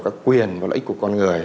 các quyền và lợi ích của con người